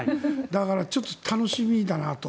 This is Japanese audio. だから、ちょっと楽しみだなと。